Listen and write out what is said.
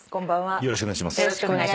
よろしくお願いします。